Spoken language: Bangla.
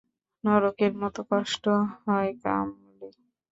নরকের মতো কষ্ট হয়, কামলি।